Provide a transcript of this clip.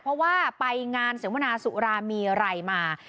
เพราะว่าไปงานเสวนาสุรามีอะไรมา